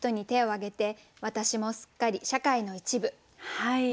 はい。